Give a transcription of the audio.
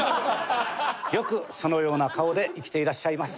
よくそのような顔で生きていらっしゃいます。